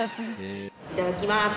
いただきます。